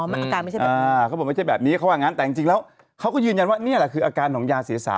อาการไม่ใช่แบบนี้เขาบอกไม่ใช่แบบนี้เขาว่างั้นแต่จริงแล้วเขาก็ยืนยันว่านี่แหละคืออาการของยาศีรษะ